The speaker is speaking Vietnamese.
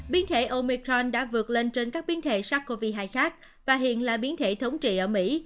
biến thể omicron đã vượt lên trên các biến thể sars cov hai khác và hiện là biến thể thống trị ở mỹ